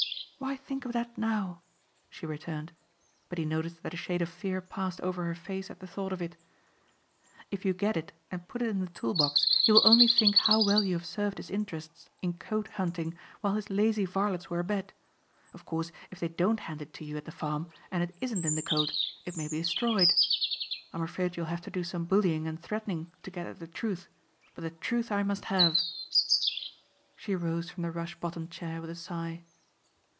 "Why think of that now?" she returned. But he noticed that a shade of fear passed over her face at the thought of it. "If you get it and put it in the tool box he will only think how well you have served his interests in coat hunting while his lazy varlets were abed. Of course if they don't hand it to you at the farm and it isn't in the coat it may be destroyed. I'm afraid you'll have to do some bullying and threatening to get at the truth but the truth I must have." She rose from the rush bottomed chair with a sigh.